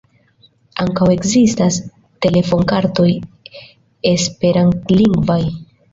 Ankaŭ ekzistas telefonkartoj esperantlingvaj.